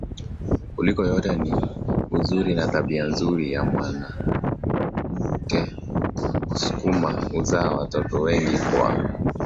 kuliko yote ni uzuri na tabia nzuri ya mwanamkewasukuma huzaa watoto wengi Kwa